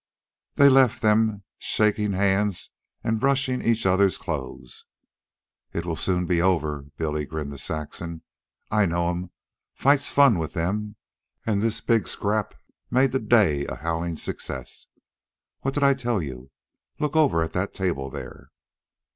They left them shaking hands and brushing each other's clothes. "It soon will be over," Billy grinned to Saxon. "I know 'em. Fight's fun with them. An' this big scrap's made the day a howlin' success. What did I tell you! look over at that table there."